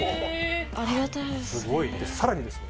さらにですね